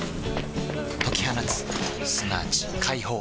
解き放つすなわち解放